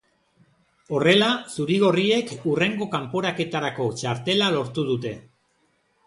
Horrela, zuri-gorriek hurrengo kanporaketarako txartela lortu dute.